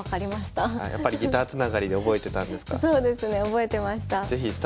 やっぱりギターつながりで覚えてたんですか？